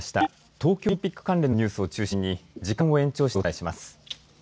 東京オリンピック関連のニュースを中心に時間を延長してお伝えします。